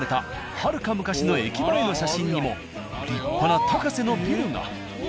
はるか昔の駅前の写真にも立派な「タカセ」のビルが。